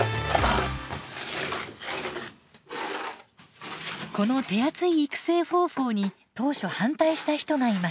この手厚い育成方法に当初反対した人がいます。